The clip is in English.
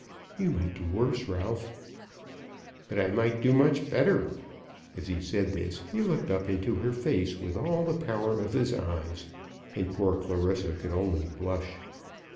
"You might do worse, Ralph." "But I might do much better." As he said this, he looked up into her face, with all the power of his eyes, and poor Clarissa could only blush.